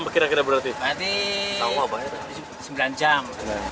berarti sembilan jam